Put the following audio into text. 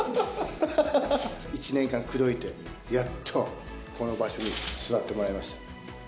１年間口説いて、やっとこの場所に座ってもらいました。